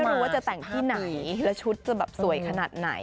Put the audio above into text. ไม่รู้ว่าจะแต่งที่ไหนแล้วชุดจะแบบสวยขนาดไหน